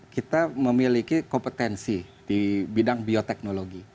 kita memiliki kompetensi di bidang bioteknologi